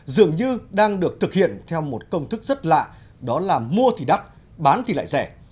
dường như đang được thực hiện theo một công thức rất lạ đó là mua thì đắt bán thì lại rẻ